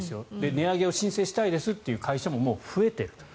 値上げを申請したいですという会社も増えていると。